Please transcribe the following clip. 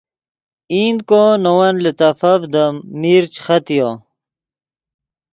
ایند کو نے ون لیتفڤدیم میر چے ختیو